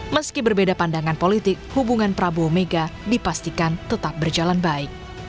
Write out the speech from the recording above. meski berbeda pandangan politik hubungan prabowo mega dipastikan tetap berjalan baik